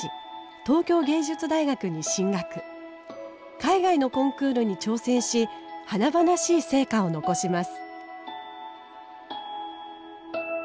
海外のコンクールに挑戦し華々しい成果を残します。